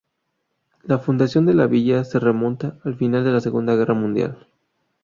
La fundación de la villa se remonta al final de la Segunda Guerra Mundial.